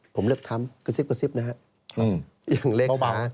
ผมเลือกทำกระซิบนะฮะ